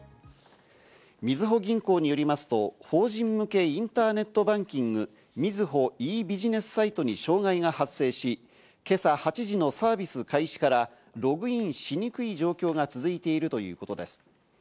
みずほ銀行によりますと法人向けインターネットバンキング「みずほｅ−ビジネスサイト」に障害が発生し、今朝８時のサービス開始からログインしにくい状況が続いているということです。